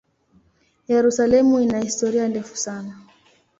Yerusalemu ina historia ndefu sana.